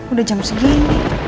udah jam segini